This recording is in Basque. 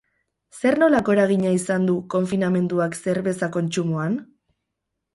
Zer-nolako eragina izan du konfinamenduak zerbeza kontsumoan?